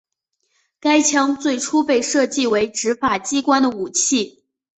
该枪最初被设计为执法机关的武器。